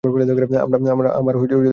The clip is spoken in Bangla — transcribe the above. আবার দীর্ঘ কারাভোগ।